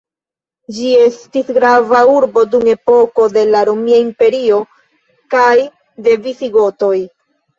Ĝi estis grava urbo dum epoko de la Romia Imperio kaj de visigotoj.